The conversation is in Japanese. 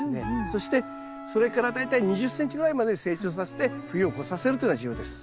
そしてそれから大体２０ｃｍぐらいまで成長させて冬を越させるというのが重要です。